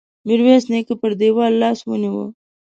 ميرويس نيکه پر دېوال لاس ونيو.